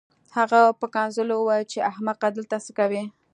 هغه په کنځلو وویل چې احمقه دلته څه کوې